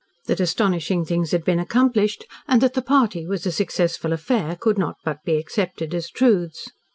That astonishing things had been accomplished, and that the party was a successful affair, could not but be accepted as truths.